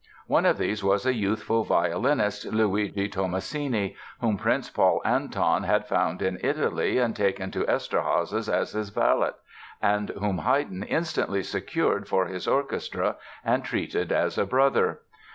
One of these was a youthful violinist, Luigi Tomasini, whom Prince Paul Anton had found in Italy and taken to Eszterháza as his valet, and whom Haydn instantly secured for his orchestra and treated as a brother.